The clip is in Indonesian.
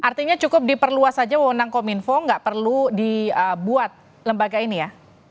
artinya cukup diperluas saja wewenang kominfo nggak perlu dibuat lembaga ini ya